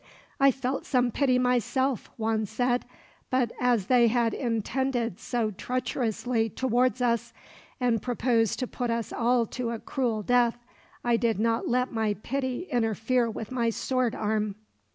"I felt some pity myself," Juan said; "but as they had intended so treacherously towards us, and proposed to put us all to a cruel death, I did not let my pity interfere with my sword arm."